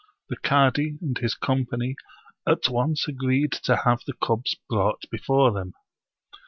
The cadi and his company at once agreed to have the cubs brought before them.